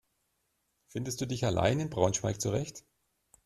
Findest du dich allein in Braunschweig zurecht?